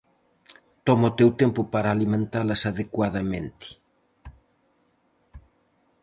Toma o teu tempo para alimentalas adecuadamente.